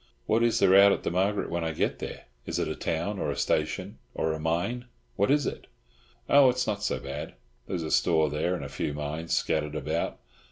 "What is there out at the Margaret when I get there? Is it a town, or a station, or a mine? What is it?" "Oh, it's not so bad. There's a store there, and a few mines scattered about.